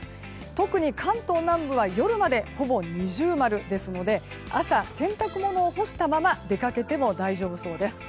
特に関東南部は夜までほぼ◎ですので朝洗濯物を干したまま出かけても大丈夫そうです。